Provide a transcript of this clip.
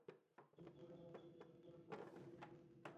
কিন্তু ছাবিলার বাবা টাকা দিতে অপরাগ হওয়ায় স্ত্রীর ওপর নেমে আসে নির্যাতন।